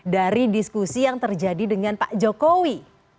dari diskusi yang terjadi dengan pak jokowi